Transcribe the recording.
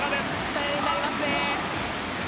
頼りになりますね。